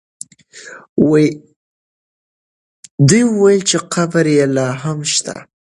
دوی وویل چې قبر یې لا هم شته.